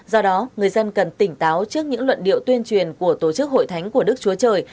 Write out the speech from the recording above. do đó người dân cần tỉnh táo trước những luận điệu tuyên truyền của tổ chức hội thánh của đức chúa trời